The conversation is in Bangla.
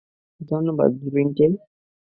ধন্যবাদ, রিংটেইল।